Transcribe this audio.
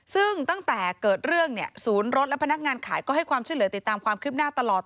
ซึ่งตั้งแต่เกิดเรื่องเนี่ยศูนย์รถและพนักงานขายก็ให้ความช่วยเหลือติดตามความคืบหน้าตลอด